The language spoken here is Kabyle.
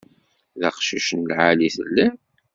D aqcic n lεali i telliḍ.